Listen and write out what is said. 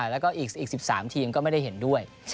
แล้วก็อีก๑๓ทีมก็ไม่ได้เห็นด้วย